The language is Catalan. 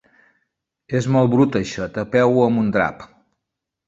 És molt brut això: tapeu-ho amb un drap.